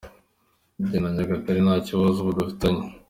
njye na Nyagatare nta kibazo ubu dufitanye.